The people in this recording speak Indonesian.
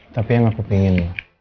tapi yang aku kepingin